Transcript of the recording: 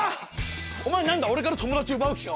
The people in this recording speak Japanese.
お前何か俺から友達奪う気か？